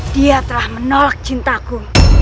dia telah menolak cintaku